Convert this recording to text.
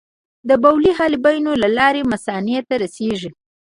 دا بولې د حالبینو له لارې مثانې ته رسېږي.